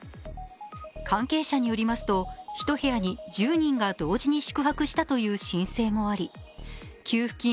関係者によりますと１部屋に１０人が同時に宿泊したという申請もあり給付金